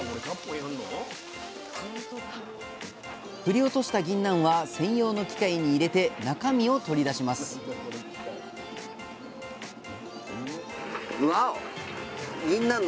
振り落としたぎんなんは専用の機械に入れて中身を取り出しますマヒしてる。